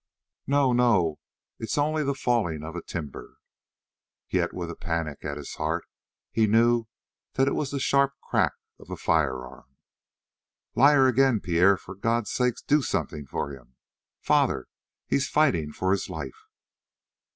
"No! No! It's only the falling of a timber!" Yet with a panic at his heart he knew that it was the sharp crack of a firearm. "Liar again! Pierre, for God's sake, do something for him. Father! He's fighting for his life!"